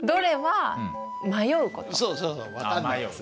そうそうそう分かんないやつ。